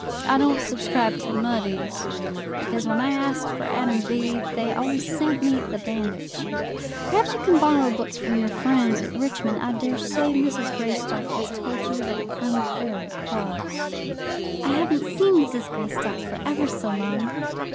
I don't subscribe to Mudie's, because when I asked for 'Adam Bede,' they always sent me the 'Bandit Chief.' Perhaps you can borrow books from your friends at Richmond. I daresay Mrs. Greystock has told you that I'm very cross." "I haven't seen Mrs. Greystock for ever so long."